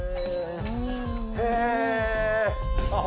へえ。